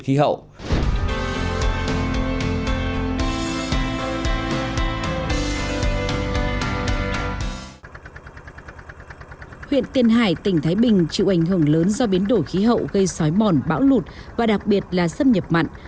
huyện tiền hải tỉnh thái bình chịu ảnh hưởng lớn do biến đổi khí hậu gây sói mòn bão lụt và đặc biệt là xâm nhập mặn